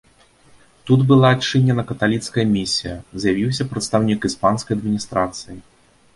Тут была адчынена каталіцкая місія, з'явіўся прадстаўнік іспанскай адміністрацыі.